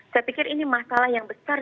saya pikir ini masalah yang besar